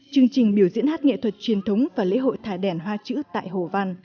chương trình biểu diễn hát nghệ thuật truyền thống và lễ hội thả đèn hoa chữ tại hồ văn